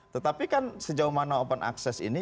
tetapi kan sejauh mana open access ini